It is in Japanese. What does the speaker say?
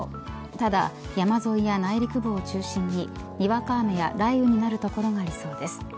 ただ、山沿いや内陸部を中心ににわか雨や雷雨になる所がありそうです。